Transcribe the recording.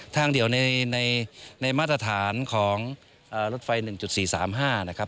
ทางเดียวในมาตรฐานของรถไฟ๑๔๓๕นะครับ